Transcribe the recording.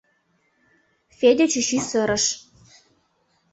— Федя чӱчӱ сырыш.